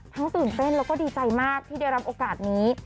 ทั้งตื่นเต้นแล้วก็ดีใจได้รับโอกาสนี้